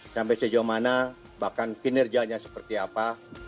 sampai sejauh mana bahkan kinerjanya seperti apa